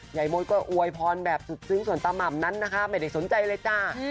ยายมดก็อวยพรแบบสุดซึ้งส่วนตาม่ำนั้นนะคะไม่ได้สนใจเลยจ้า